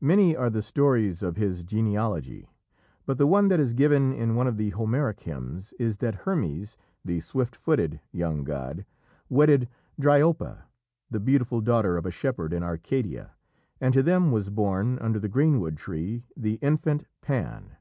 Many are the stories of his genealogy, but the one that is given in one of the Homeric hymns is that Hermes, the swift footed young god, wedded Dryope, the beautiful daughter of a shepherd in Arcadia, and to them was born, under the greenwood tree, the infant, Pan.